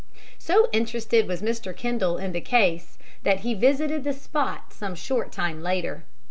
So interested was Mr. Kendall in the case that he visited the spot some short time later.